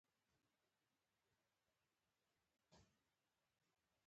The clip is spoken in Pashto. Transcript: موږ لاهم باید پریکړه وکړو چې کوم کشو د چا ده